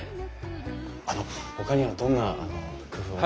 あのほかにはどんな工夫を。